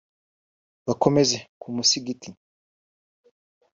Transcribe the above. bakomeza ku musigiti